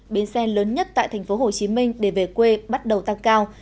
bến xe lớn nhất tại tp hcm để về quê bắt đầu tăng cao